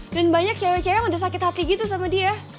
dan banyak cewek cewek yang udah sakit hati gitu sama dia